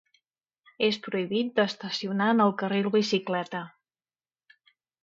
És prohibit d'estacionar en el carril bicicleta.